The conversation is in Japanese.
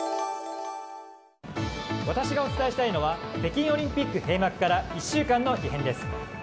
私がお伝えしたいのは北京オリンピック閉幕から１週間の異変です。